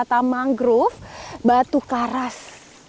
wisata mangrove batu karas